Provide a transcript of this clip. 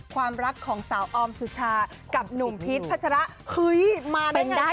ความรักของสาวออมสุชากับหนุ่มพีชพัชระเฮ้ยมาได้ไง